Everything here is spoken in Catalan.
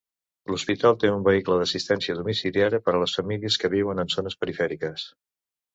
L'hospital té un vehicle d'assistència domiciliària per a les famílies que viuen en zones perifèriques.